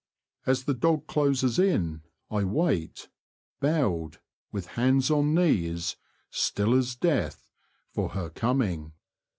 As the dog closes in, I wait, bowed, with hands on knees, still as death, for her coming.